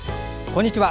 こんにちは。